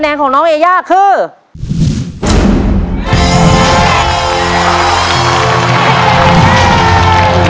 อยากคิดว่าอยากคิดว่าเราเป็นแฟนกันนะ